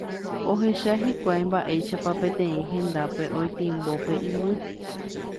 Ohecha hikuái mba'éichapa peteĩ hendápe otimbo pe yvy.